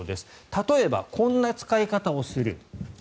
例えば、こんな使い方をする。